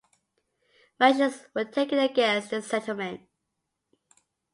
Measures were taken against the settlement.